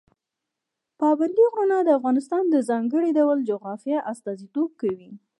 پابندی غرونه د افغانستان د ځانګړي ډول جغرافیه استازیتوب کوي.